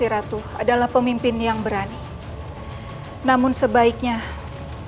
untuk membuat bit medicam